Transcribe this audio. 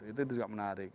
itu juga menarik